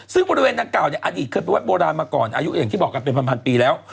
ซึ่งบริเวณตั้งเก่าอดีตเคยเป็นโบราณมาก่อนอายุเหยี่ยงที่บอกกว่าแบงค์ภัณฑ์พันปีแล้ว